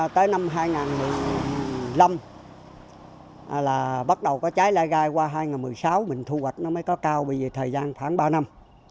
tới năm hai nghìn năm là bắt đầu có trái lai gai qua hai nghìn một mươi sáu mình thu hoạch nó mới có cao bởi vì thời gian khoảng ba năm